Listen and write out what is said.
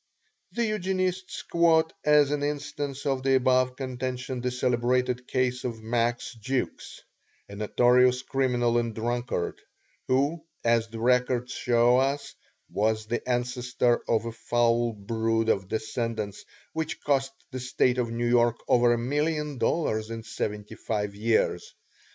The Eugenists quote as an instance of the above contention the celebrated case of Max Jukes, a notorious criminal and drunkard, who as the records show us was the ancestor of a foul brood of descendants which cost the State of New York over a million dollars in seventy five years.